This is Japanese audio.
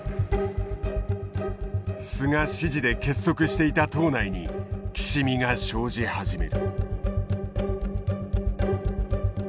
菅支持で結束していた党内にきしみが生じ始める。